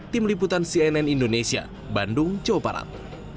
tim liputan cnn indonesia bandung jawa barat